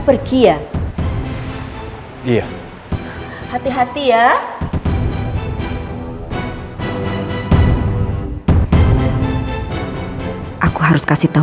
terima kasih ma